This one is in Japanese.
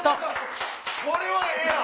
これはええやん！